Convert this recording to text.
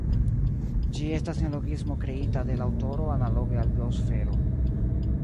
Ĝi estas neologismo kreita de la aŭtoro analoge al "biosfero".